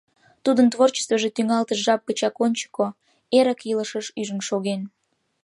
Тудын творчествыже тӱҥалтыш жап гычак ончыко, эрык илышыш, ӱжын шоген.